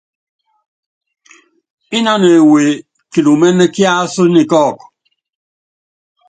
Ínánɔ ewe kilúméne kiású nyi kɔ́ɔ́kɔ.